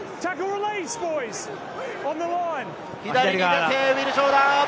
左に出て、ウィル・ジョーダン！